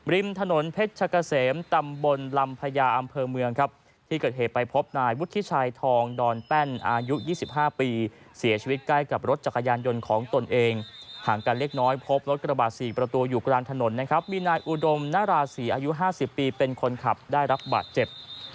ริมถนนเพชรชะกะเสมตำบลลำพญาอำเภอเมืองครับที่เกิดเหตุไปพบนายวุฒิชัยทองดอนแป้นอายุ๒๕ปีเสียชีวิตใกล้กับรถจักรยานยนต์ของตนเองห่างกันเล็กน้อยพบรถกระบาด๔ประตูอยู่กลางถนนนะครับมีนายอุดมนราศีอายุ๕๐ปีเป็นคนขับได้รับบาดเจ็บ